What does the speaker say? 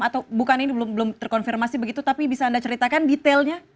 atau bukan ini belum terkonfirmasi begitu tapi bisa anda ceritakan detailnya